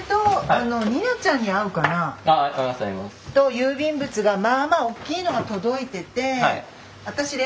郵便物がまあまあおっきいのが届いててはい。